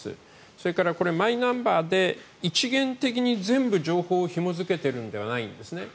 それからマイナンバーで一元的に全部情報をひも付けているのではないんですね。